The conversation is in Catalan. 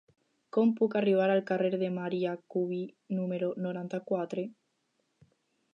Com puc arribar al carrer de Marià Cubí número noranta-quatre?